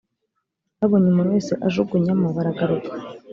babonye umuntu wese ajugunyamo baragaruka.